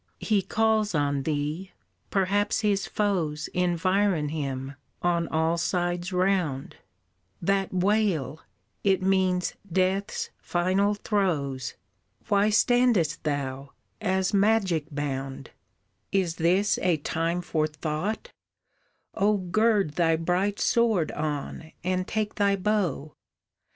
He calls on thee, perhaps his foes Environ him on all sides round, That wail, it means death's final throes! Why standest thou, as magic bound? "Is this a time for thought, oh gird Thy bright sword on, and take thy bow!